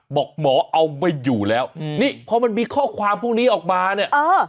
บอกหมอเอาไม่อยู่แล้วอืมนี่พอมันมีข้อความพวกนี้ออกมาเนี่ยเออ